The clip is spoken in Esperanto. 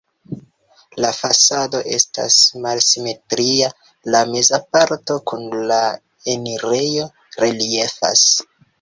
La fasado estas malsimetria, la meza parto kun la enirejo reliefas.